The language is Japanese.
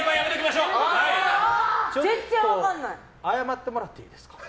ちょっと謝ってもらっていいですか。